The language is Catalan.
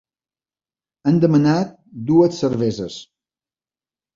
Han demanat dues cerveses.